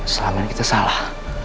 selama ini kita salah